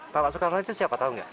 bapak sukarno itu siapa tau gak